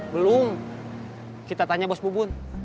belum kita tanya bos bubun